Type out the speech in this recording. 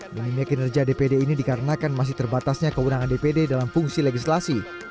menimik energi dpd ini dikarenakan masih terbatasnya keunangan dpd dalam fungsi legislasi